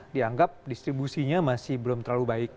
dianggap distribusinya masih belum terlalu baik